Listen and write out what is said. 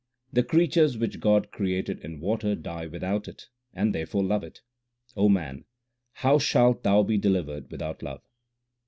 The creatures which God created in water die without it, and therefore love it. O man, how shalt thou be delivered without love